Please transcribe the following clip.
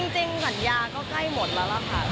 จริงสัญญาก็ใกล้หมดแล้วล่ะค่ะ